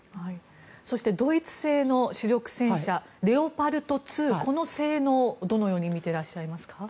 そしてドイツ製の主力戦車レオパルト２この性能をどのように見てらっしゃいますか。